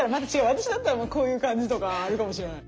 私だったらこういう感じとかあるかもしれない。